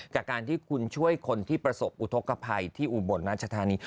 จากการที่คุณช่วยคนที่ประสบอุทธกภัยที่อุบลราชธานี